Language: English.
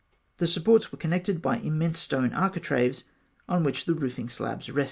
The supports were connected by immense stone architraves, on which the roofing slabs rested.